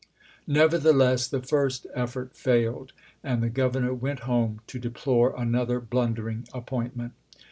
Neverthe less, the first effort failed, and the Governor went home to deplore another blundering appointment.